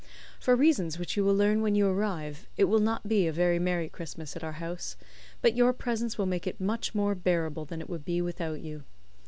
For reasons which you will learn when you arrive, it will not be a very merry Christmas at our house, but your presence will make it much more bearable than it would be without you.